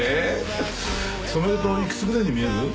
染めるといくつぐらいに見える？